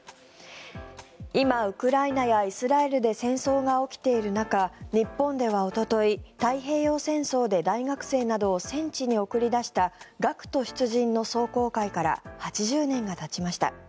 今、ウクライナやイスラエルで戦争が起きている中日本ではおととい太平洋戦争で大学生などを戦地に送り出した学徒出陣の壮行会から８０年が立ちました。